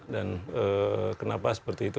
dan kenapa seperti itu